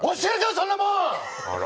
そんなもん。